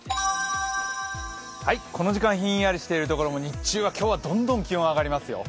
この時間、ひんやりしているところも日中は今日はどんどん気温が上がりますよ。